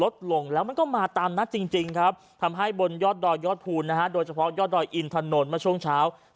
โดยเฉพาะยอดดอยอินถนนมาช่วงเช้า